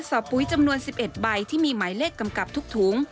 ปุ๋ยจำนวน๑๑ใบที่มีหมายเลขกำกับทุกถุง